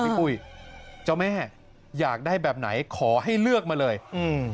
ปุ้ยเจ้าแม่อยากได้แบบไหนขอให้เลือกมาเลยอืม